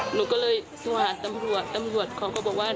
หนูก็เลยโทรหาตำรวจตำรวจเขาก็บอกว่า